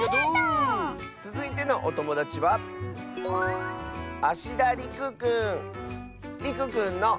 つづいてのおともだちはりくくんの。